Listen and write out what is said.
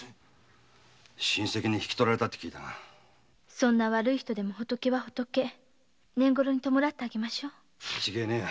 そんな悪い人でも仏は仏懇ろに弔ってあげましょうよ。